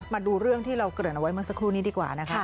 มาดูเรื่องที่เราเกริ่นเอาไว้เมื่อสักครู่นี้ดีกว่านะคะ